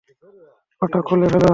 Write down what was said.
ওটাও খুলে ফেলো।